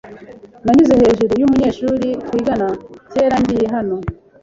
Nanyuze hejuru yumunyeshuri twigana kera ngiye hano.